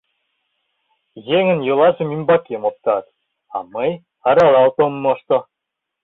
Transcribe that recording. — Еҥын йолажым ӱмбакем оптат, а мый аралалт ом мошто.